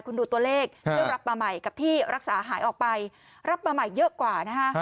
คุณดูตัวเลขที่รับมาใหม่กับที่รักษาหายออกไปรับมาใหม่เยอะกว่านะฮะ